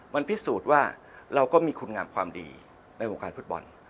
มันพิสูจน์ว่าเราก็มีคุณงามความดีในวงการฟุตบอล